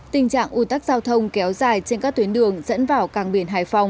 tình trạng ổn tắc giao thông kéo dài trên các tuyến đường dẫn vào cảng biển hải phòng